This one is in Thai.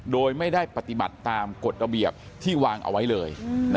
โดยไม่ได้ปฏิบัติตามกฎระเบียบที่วางเอาไว้เลย